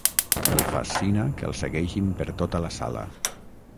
El fascina que el segueixin per tota la sala.